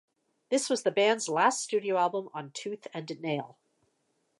This was the band's last studio album on Tooth and Nail.